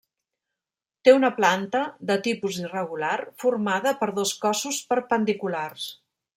Té una planta, de tipus irregular, formada per dos cossos perpendiculars.